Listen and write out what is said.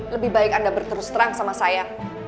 lebih baik anda berterus terang sama saya